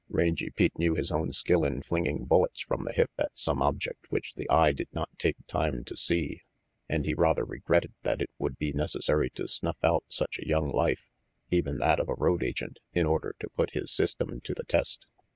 Rangy Pete knew his own skill in flinging bullets from the hip at some object which the eye did not take time to see, and he rather regretted that it would be necessary to snuff out such a young life, even that of a road agent, in order to put his system to the test.